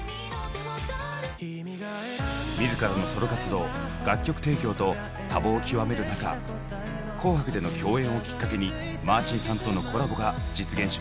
自らのソロ活動楽曲提供と多忙を極める中「紅白」での共演をきっかけにマーチンさんとのコラボが実現しました。